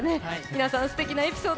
皆さん、すてきなエピソード